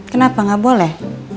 kenapa gak boleh